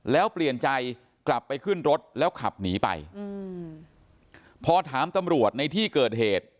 แล้วเปลี่ยนใจกลับไปขึ้นรถแล้วขับหนีไปอืมพอถามตำรวจในที่เกิดเหตุ